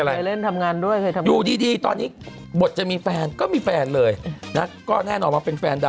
ไฟร์นากกับไฮโซบิกยกครอบครัวเพื่อน